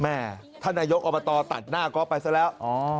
แม่ท่านนายกอบตตัดหน้าก๊อฟไปซะแล้ว